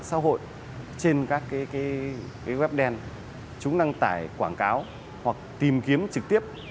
sau hội trên các web đen chúng đang tải quảng cáo hoặc tìm kiếm trực tiếp